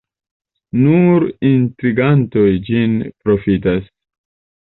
Nur intrigantoj ĝin profitas.